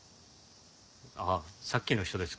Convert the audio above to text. ああさっきの人ですか？